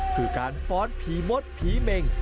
คือการฟ้อนผีมดผีเมง